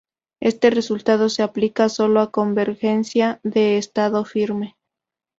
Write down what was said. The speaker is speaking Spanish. Este resultado se aplica solo a convergencia de estado firme.